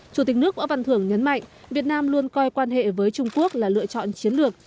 chủ tịch nước võ văn thưởng nhấn mạnh việt nam luôn coi quan hệ với trung quốc là lựa chọn chiến lược